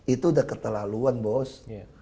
itu udah ketelaluan bos